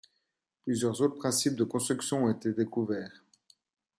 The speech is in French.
Plusieurs autres principes de construction ont été découverts.